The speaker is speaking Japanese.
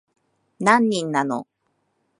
何人なの